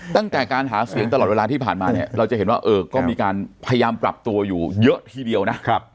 ตั้งแต่การหาเสียงตลอดเวลาที่ผ่านมาเนี่ยเราจะเห็นว่าก็มีการพยายามปรับตัวอยู่เยอะทีเดียวนะ